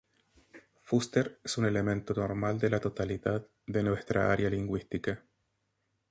Fuster es un elemento normal de la totalidad de nuestra área lingüística".